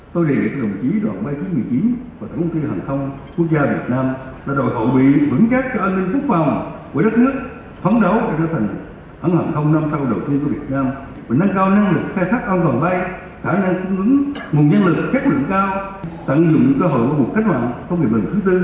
nhân lực kết lượng cao tận dụng cơ hội vào một cách mạnh công nghiệp lần thứ tư